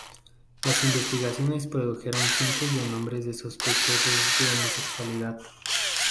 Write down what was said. Las investigaciones produjeron cientos de nombres de sospechosos de homosexualidad.